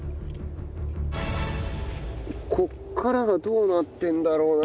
ここからがどうなってるんだろうな？